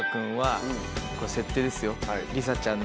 これ設定ですよ。